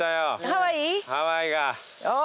ハワイが。